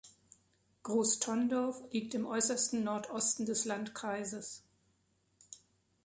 Groß Thondorf liegt im äußersten Nordosten des Landkreises.